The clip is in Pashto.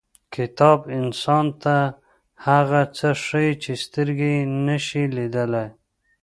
• کتاب انسان ته هغه څه ښیي چې سترګې یې نشي لیدلی.